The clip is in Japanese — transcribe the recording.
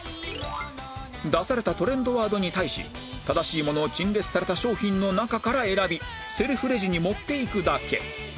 出されたトレンドワードに対し正しいものを陳列された商品の中から選びセルフレジに持っていくだけ